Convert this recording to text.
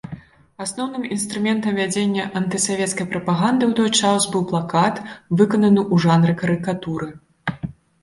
Асноўным інструментам вядзення антысавецкай прапаганды ў той час быў плакат, выкананы ў жанры карыкатуры.